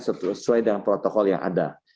sesuai dengan protokol yang ada